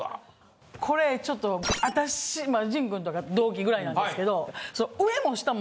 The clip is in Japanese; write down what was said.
これちょっと私陣くんとか同期ぐらいなんですけど。